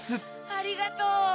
ありがとう！